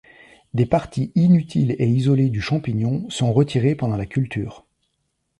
Des parties inutiles et isolées du champignon sont retirées pendant la culture.